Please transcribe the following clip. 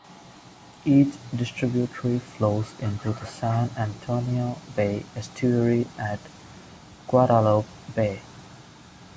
Each distributary flows into the San Antonio Bay estuary at Guadalupe Bay.